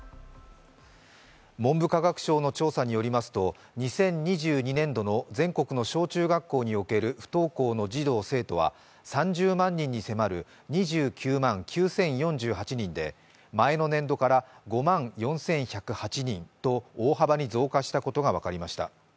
文部科学省の調査によりますと、２０２２年度の全国の小中学校における不登校の児童・生徒は３０万に迫る２９万９０４８人で、前の粘土から５万４１０８人と大幅に増加したことが分かりました。